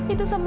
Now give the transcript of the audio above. itu sama saja